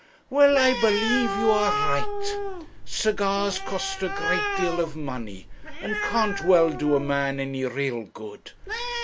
'Well I believe you are right cigars cost a great deal of money, and can't well do a man any real good.